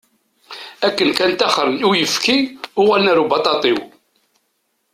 Akken kan taxṛen i uyefki, uɣalen ar ubaṭaṭiw.